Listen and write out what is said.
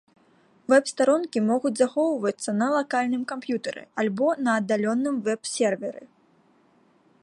Вэб-старонкі могуць захоўвацца на лакальным камп'ютары альбо на аддаленым вэб-серверы.